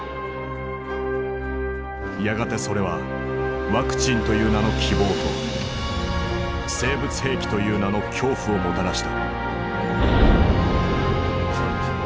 やがてそれはワクチンという名の希望と生物兵器という名の恐怖をもたらした。